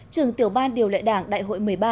trường tiểu ban điều lệ đảng đại hội một mươi ba